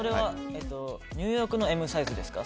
ニューヨークのＭサイズですか？